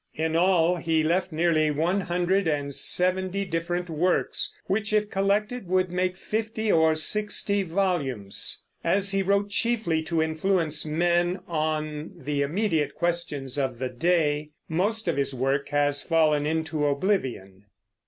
In all, he left nearly one hundred and seventy different works, which if collected would make fifty or sixty volumes. As he wrote chiefly to influence men on the immediate questions of the day, most of this work has fallen into oblivion.